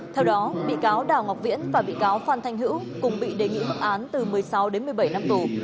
theo đó bị cáo đào ngọc viễn và bị cáo phan thanh hữu cùng bị đề nghị mức án từ một mươi sáu đến một mươi bảy năm tù